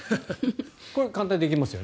これは簡単にできますよね。